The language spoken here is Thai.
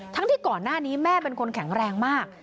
ที่ก่อนหน้านี้แม่เป็นคนแข็งแรงมาก